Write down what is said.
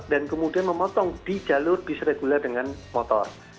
kemudian memotong di jalur bis reguler dengan motor